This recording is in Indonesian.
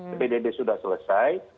ppdb sudah selesai